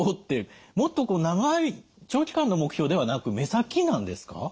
もっと長い長期間の目標ではなく目先なんですか？